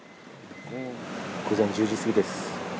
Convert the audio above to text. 午前１０時過ぎです。